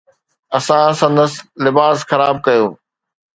اسان سندس لباس خراب ڪيو.